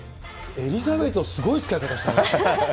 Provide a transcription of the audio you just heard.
エリザベートすごい使い方したね。